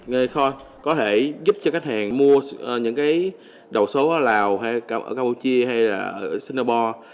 girl cons có thể giúp cho khách hàng mua những đầu số ở lào campuchia hay singapore